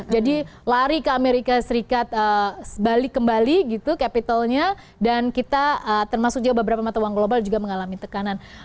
lari ke amerika serikat balik kembali gitu capitalnya dan kita termasuk juga beberapa mata uang global juga mengalami tekanan